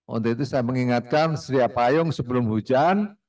untuk itu saya mengingatkan setiap payung sebelum hujan